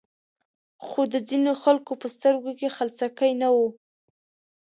خو د ځینو خلکو په سترګو کې خلسکی نه و.